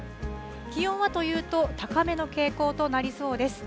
気温はというと、高めの傾向となりそうです。